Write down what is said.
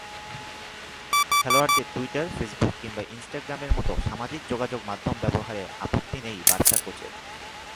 খেলোয়াড়দের Twitter, Facebook কিংবা ইনস্টাগ্রামের মতো সামাজিক যোগাযোগমাধ্যম ব্যবহারে আপত্তি নেই বার্সা কোচের।